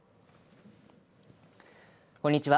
こんにちは。